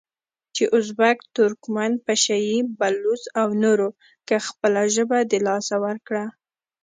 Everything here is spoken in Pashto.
چې ازبک، ترکمن، پشه یي، بلوڅ او نورو که خپله ژبه د لاسه ورکړه،